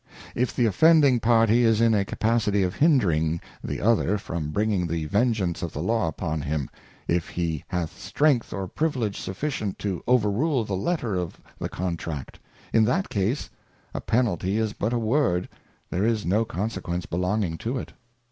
If the Offending party is in a capacity of hindring the other from bringing the Vengeance of the Law upon him ; if he hath strength or privilege sufficient to over rule the Letter of the Contract ; in that case, a Penalty is but a Word, there is no consequence belonging to it.